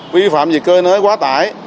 vi phạm vì cơ nới quá tải